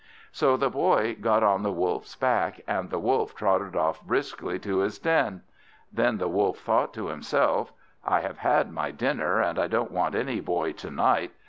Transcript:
So the Boy got on the Wolf's back, and the Wolf trotted off briskly to his den. Then the Wolf thought to himself, "I have had my dinner, and I don't want any Boy to night.